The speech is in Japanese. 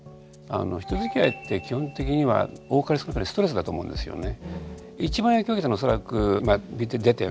人づきあいって基本的には多かれ少なかれストレスだと思うんですよね。